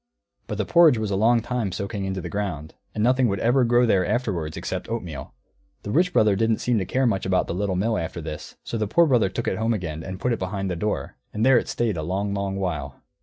But the porridge was a long time soaking into the ground, and nothing would ever grow there afterwards except oatmeal. The Rich Brother didn't seem to care much about the Little Mill after this, so the Poor Brother took it home again and put it behind the door; and there it stayed a long, long while.